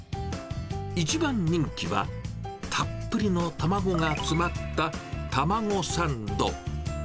一番人気はたっぷりの卵が詰まった卵サンド。